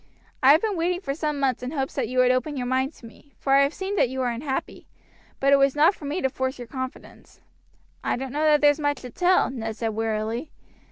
"I have been waiting for some months in hopes that you would open your mind to me, for I have seen that you were unhappy; but it was not for me to force your confidence." "I don't know that there's much to tell," Ned said wearily.